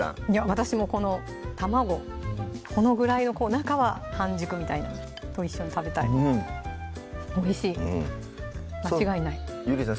私もこの卵このぐらいのこう中は半熟みたいなと一緒に食べたいおいしい間違いないゆりさん